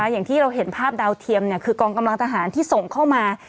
อย่างที่เราเห็นภาพดาวเทียมคือกองกำลังทหารที่ส่งเข้ามา